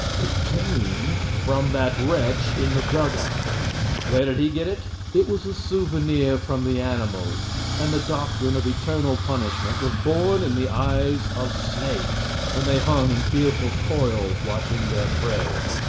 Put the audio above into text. It came from that wretch in the dug out. Where did he get it? It was a souvenir from the animals, and the doctrine of eternal punishment was born in the eyes of snakes when they hung in fearful coils watching for their prey.